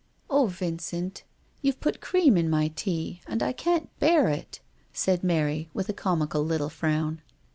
"O Vincent! YouVe put cream in my tea, and I can't bear it," said Mary, with a comical little frown.